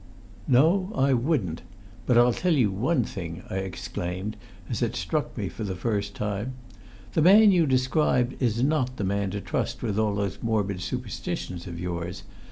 "No, I wouldn't; but I'll tell you one thing," I exclaimed, as it struck me for the first time: "the man you describe is not the man to trust with all those morbid superstitions of yours!